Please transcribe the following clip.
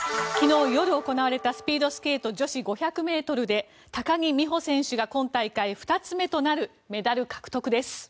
昨日夜行われたスピードスケート女子５００ｍで高木美帆選手が今大会２つ目となるメダル獲得です。